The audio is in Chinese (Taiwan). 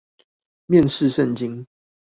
面試聖經